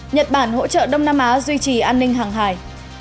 nhật bản hỗ trợ đông nam á duy trì an ninh hàng hải